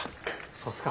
そうすか。